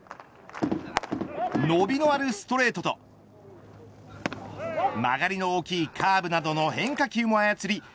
伸びのあるストレートと曲がりの大きいカーブなどの変化球も操り